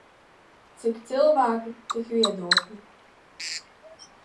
Cik cilvēku tik viedokļu.